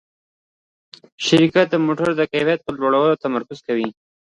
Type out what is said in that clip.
شرکت د موټرو د کیفیت په لوړولو تمرکز کوي.